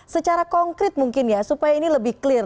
secara konkret mungkin ya supaya ini lebih clear